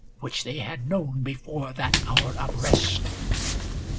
Which they had known before that hour of rest.